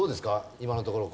今のところ。